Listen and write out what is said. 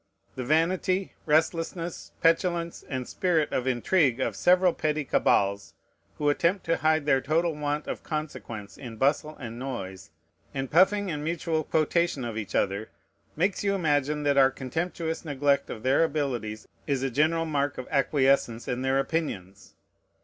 The vanity, restlessness, petulance, and spirit of intrigue of several petty cabals, who attempt to hide their total want of consequence in bustle and noise, and puffing and mutual quotation of each other, makes you imagine that our contemptuous neglect of their abilities is a general mark of acquiescence in their opinions.